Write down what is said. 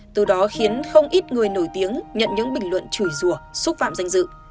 từ đó khiến không ít người nổi tiếng nhận những bình luận chùi rùa xúc phạm danh dự